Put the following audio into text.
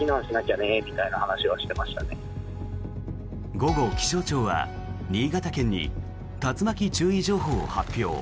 午後、気象庁は新潟県に竜巻注意情報を発表。